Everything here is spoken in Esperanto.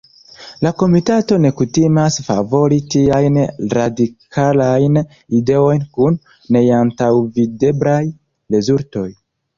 La komitato ne kutimas favori tiajn radikalajn ideojn kun neantaŭvideblaj rezultoj.